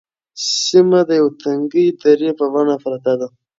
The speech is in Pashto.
سیمه د یوې تنگې درې په بڼه پرته ده.